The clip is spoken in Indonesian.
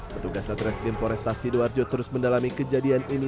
petugas atres gimporesta sido arjo terus mendalami kejadian ini